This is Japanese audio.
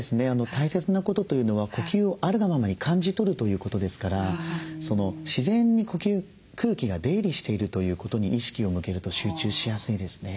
大切なことというのは呼吸をあるがままに感じ取るということですから自然に呼吸空気が出入りしているということに意識を向けると集中しやすいですね。